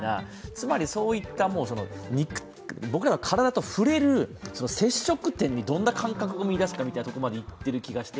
つまりそういった僕らの体と触れる接触点にどんな感覚を見いだすかみたいなところまでいっているような気がして。